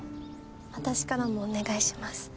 私からもお願いします。